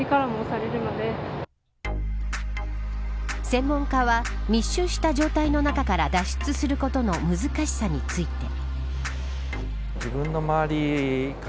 専門家は密集した状態の中から脱出することの難しさについて。